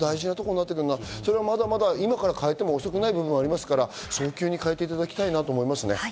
今から変えても遅くない部分がありますから、早急に変えていただきたいと思いますね。